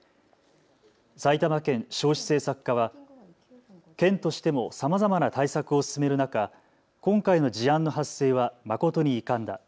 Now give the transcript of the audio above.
埼玉県少子政策課は県としてもさまざまな対策を進める中、今回の事案の発生は誠に遺憾だ。